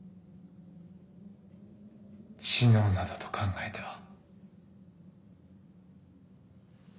死のうなどと考えては。